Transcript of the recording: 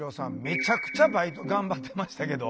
めちゃくちゃバイト頑張ってましたけど。